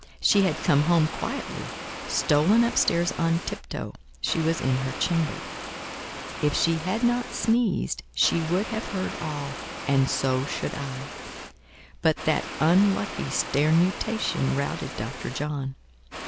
She had come home quietly, stolen up stairs on tip toe; she was in her chamber. If she had not sneezed, she would have heard all, and so should I; but that unlucky sternutation routed Dr. John.